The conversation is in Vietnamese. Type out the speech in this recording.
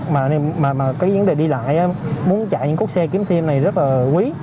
mà những đề đi lại muốn chạy những cốt xe kiếm tiêm này rất là quý